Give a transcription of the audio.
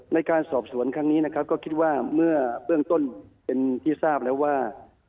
ในการสอบสวนครั้งนี้นะครับก็คิดว่าเมื่อเบื้องต้นเป็นที่ทราบแล้วว่า